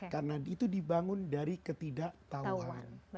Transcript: karena itu dibangun dari ketidaktahuan